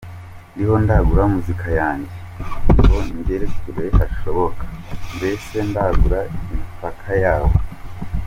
Ndiho ndagura muzika yanjye ngo igere kure hashoboka mbese ndagura imipaka yawo.